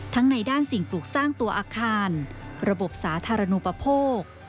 ในด้านสิ่งปลูกสร้างตัวอาคารระบบสาธารณูปโภค